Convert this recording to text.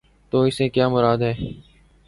تو اس سے کیا مراد ہے؟